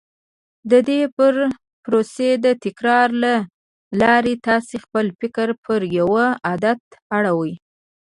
د دې پروسې د تکرار له لارې تاسې خپل فکر پر يوه عادت اړوئ.